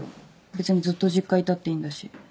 別にずっと実家いたっていいんだし。